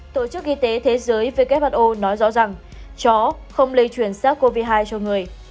tổ chức y tế thế giới who nói rõ rằng chó không lây truyền sars cov hai cho người